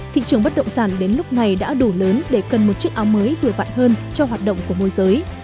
thị trường bất động sản đến lúc này đã đủ lớn để cần một chiếc áo mới vừa vặn hơn cho hoạt động của môi giới